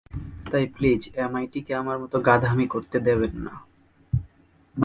তাই প্লিজ এমআইটিকে আমার মতো গাধামি করতে দেবেন না।